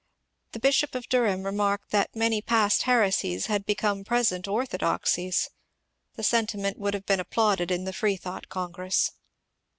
The Bishop of Durham remarked that many past heresies had become present orthodoxies. The sentiment would have been applauded in the Freethought Congress.